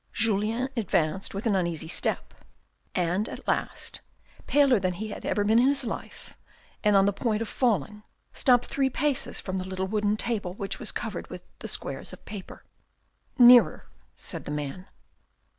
Julien advanced with an uneasy step, and at last, paler than he had ever been in his life and on the point of falling, stopped three paces from the little white wooden table which was covered with the squares of paper. " Nearer," said the man.